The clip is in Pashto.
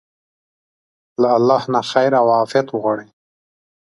له الله نه خير او عافيت وغواړئ.